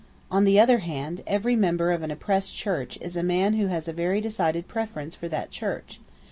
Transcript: On the other hand, every member of an oppressed church is a man who has a very decided preference for that church.